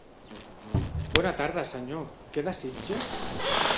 Bona tarda, senyor, què desitja?